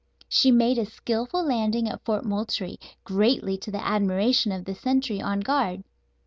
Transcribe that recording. She made a skilful landing at Fort Moultrie, greatly to the admiration of the sentry on guard.